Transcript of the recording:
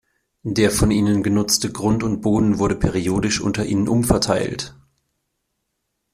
Der von ihnen genutzte Grund und Boden wurde periodisch unter ihnen umverteilt.